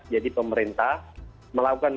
jadi pemerintah melakukan komunikasi